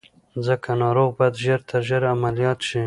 ځکه ناروغ بايد ژر تر ژره عمليات شي.